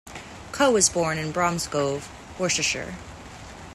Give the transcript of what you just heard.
Coe was born in Bromsgrove, Worcestershire.